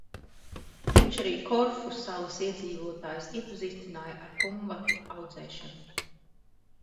Viņš arī Korfu salas iedzīvotājus iepazīstināja ar kumkvatu audzēšanu.